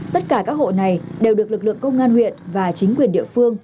tất cả các hộ này đều được lực lượng công an huyện và chính quyền địa phương